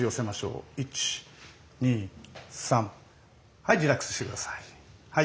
はいリラックスして下さいはい。